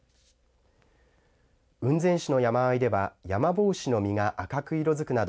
雲仙市の山あいではヤマボウシの実が赤く色づくなど